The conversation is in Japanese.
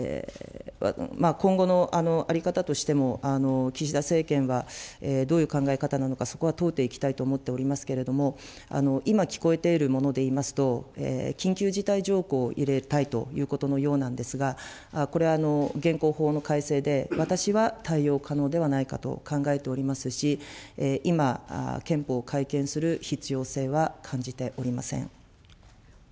今後の在り方としても、岸田政権はどういう考え方なのか、そこは問うていきたいと思っておりますけれども、今、聞こえているものでいいますと、緊急事態条項を入れたいということのようなんですが、これは現行法の改正で、私は対応可能ではないかと考えておりますし、今、憲法を改憲する必要性は感じておりません。